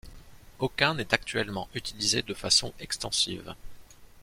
Aucun n'est actuellement utilisée de façon extensive.